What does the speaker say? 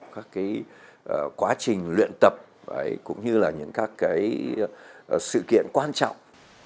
các cái quá trình luyện tập đấy cũng như là những các cái sự kiện quan trọng